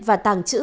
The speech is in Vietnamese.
và tàng trưởng